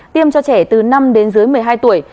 tiêm cho trẻ từ năm đến dưới một mươi hai tuổi